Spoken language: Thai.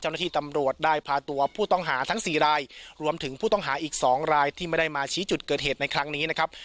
เจ้าหน้าที่ตำรวจได้พาตัวผู้ต้องหาทั้งสี่รายรวมถึงผู้ต้องหาอีก๒รายที่ไม่ได้มาชี้จุดเกิดเหตุในครั้งนี้นะครับ